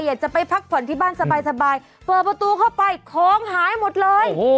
อยากจะไปพักผ่อนที่บ้านสบายเปิดประตูเข้าไปของหายหมดเลย